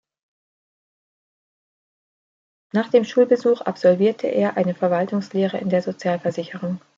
Nach dem Schulbesuch absolvierte er eine Verwaltungslehre in der Sozialversicherung.